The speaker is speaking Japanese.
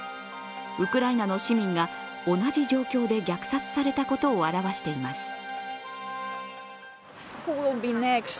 ウクライナの市民が同じ状況で虐殺されたことを表しています。